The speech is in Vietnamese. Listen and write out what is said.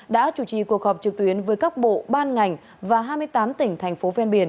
đã chủ trì cuộc họp trực tuyến với các bộ ban ngành và hai mươi tám tỉnh thành phố ven biển